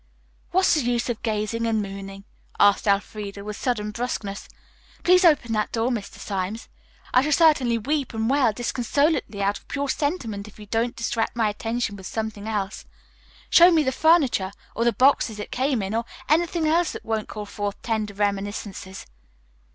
"What's the use of gazing and mooning?" asked Elfreda, with sudden brusqueness. "Please open that door, Mr. Symes. I shall certainly weep and wail disconsolately out of pure sentiment if you don't distract my attention with something else. Show me the furniture, or the boxes it came in, or anything else that won't call forth tender reminiscences."